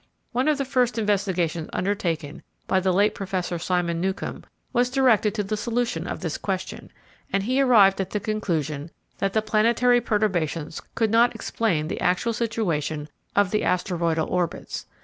One of the first investigations undertaken by the late Prof. Simon Newcomb was directed to the solution of this question, and he arrived at the conclusion that the planetary perturbations could not explain the actual situation of the asteroidal orbits.